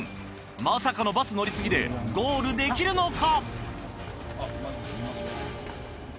まさかのバス乗り継ぎでゴールできるのか！？